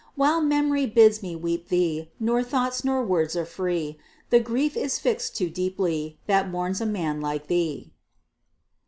While memory bids me weep thee, Nor thoughts nor words are free, The grief is fixed too deeply That mourns a man like thee.